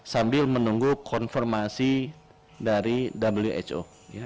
sambil menunggu konfirmasi dari who